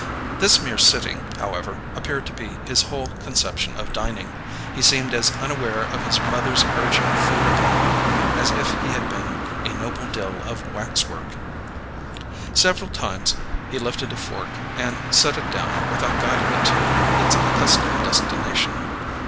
This mere sitting, however, appeared to be his whole conception of dining; he seemed as unaware of his mother's urging food upon him as if he had been a Noble Dill of waxwork. Several tunes he lifted a fork and set it down without guiding it to its accustomed destination.